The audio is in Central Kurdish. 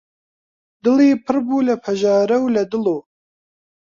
دڵی پڕ بوو لە پەژارە و لە دڵۆ